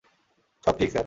সব ঠিক, স্যার।